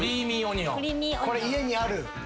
これ家にある？